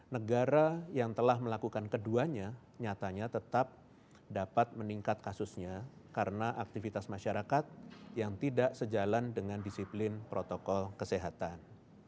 negara yang telah melakukan keduanya nyatanya tetap dapat meningkat kasusnya karena aktivitas masyarakat yang tidak sejalan dengan disiplin protokol kesehatan